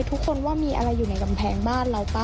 ทุกคนว่ามีอะไรอยู่ในกำแพงบ้านเราป่